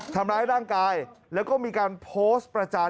ทำร้ายร่างกายแล้วก็มีการโพสต์ประจาน